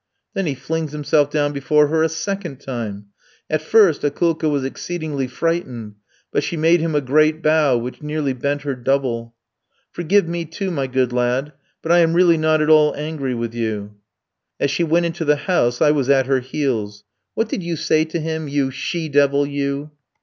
"Then he flings himself down before her a second time. At first Akoulka was exceedingly frightened; but she made him a great bow, which nearly bent her double. "'Forgive me, too, my good lad; but I am really not at all angry with you.' "As she went into the house I was at her heels. "'What did you say to him, you she devil, you?'